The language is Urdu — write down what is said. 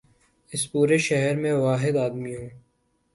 اس پورے شہر میں، میں واحد آدمی ہوں۔